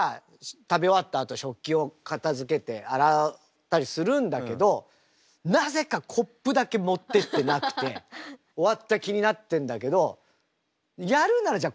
食べ終わったあと食器を片づけて洗ったりするんだけどなぜかコップだけ持ってってなくて終わった気になってんだけどやるならじゃ